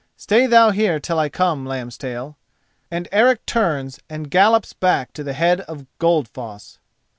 Stay thou here till I come, Lambstail!" And Eric turns and gallops back to the head of Goldfoss.